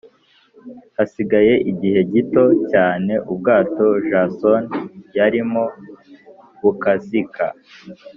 hasigaye igihe gito cyane Ubwato Jason yarimo bukazika